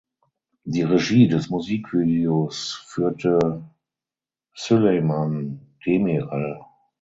Die Regie des Musikvideos führte Süleyman Demirel.